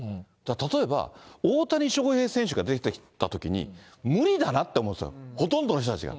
例えば、大谷翔平選手が出てきたときに、無理だなって思ってた、ほとんどの人たちが。